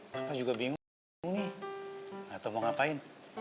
kepas juga bingung nih gak tau mau ngapain